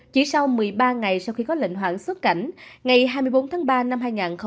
chỉ sau một mươi ba ngày sau khi có lệnh hoãn xuất cảnh ngày hai mươi bốn tháng ba năm hai nghìn hai mươi